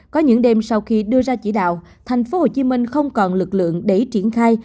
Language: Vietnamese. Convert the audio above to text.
có những đêm sau khi đưa ra chỉ đạo tp hcm không còn lực lượng để triển khai